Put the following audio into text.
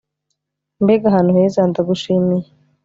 mbega ahantu heza! ndagushimiye